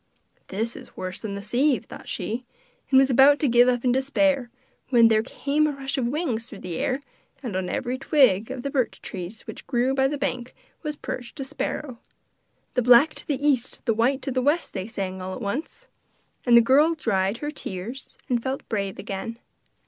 'This is worse than the sieve,' thought she, and was about to give up in despair when there came a rush of wings through the air, and on every twig of the birch trees which grew by the bank was perched a sparrow. 'The black to the east, the white to the west!' they sang, all at once; and the girl dried her tears and felt brave again.